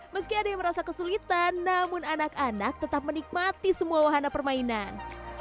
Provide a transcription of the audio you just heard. meski ada yang merasa kesulitan namun anak anak tetap menikmati semua wahana permainan